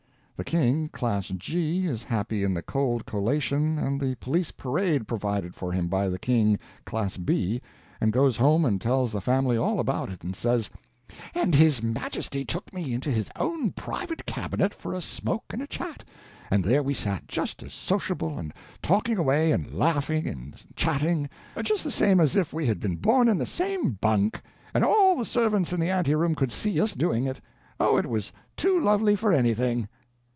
The king, class G, is happy in the cold collation and the police parade provided for him by the king, class B, and goes home and tells the family all about it, and says: "And His Majesty took me into his own private cabinet for a smoke and a chat, and there we sat just as sociable, and talking away and laughing and chatting, just the same as if we had been born in the same bunk; and all the servants in the anteroom could see us doing it! Oh, it was too lovely for anything!"